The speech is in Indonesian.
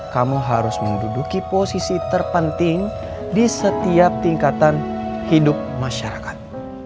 kamu harus menduduki posisi terpenting di setiap tingkatan hidup masyarakat